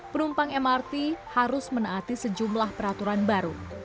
pemeriksaan suhu dan peraturan baru juga akan diperbolehkan